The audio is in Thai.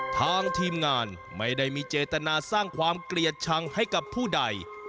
ทางทีมงานไม่ได้มีเจตนาสร้างความเกลียดชังให้กับผู้ใด